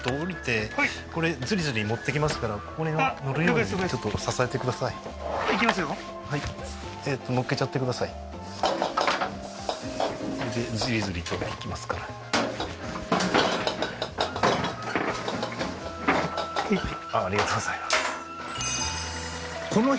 これでズリズリといきますからはいありがとうございます